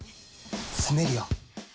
住めるよ。